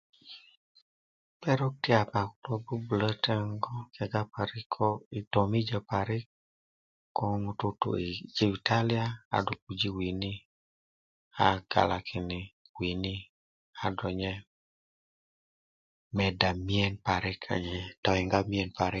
perok ti yapa kulo 'bu'bulö teŋgú kegá parik kó tomijä parik ko ŋutú tu jibitalia a ŋutú puji wini a galakini winii a dó nye meda miyen parik a nye toyiŋa miyen parik